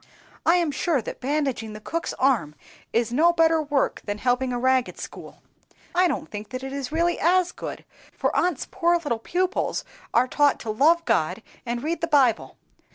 I am sure that bandaging the cook's arm is no better work than helping a ragged school; I don't think that it is really as good, for aunt's poor little pupils are taught to love God and read the Bible.